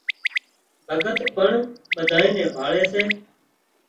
ڀڳت پڻ ٻڌانئين نين ڀاۯي سي